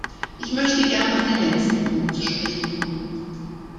Ich möchte gerne auf den letzten Punkt zu sprechen kommen.